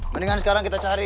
mendingan sekarang kita cari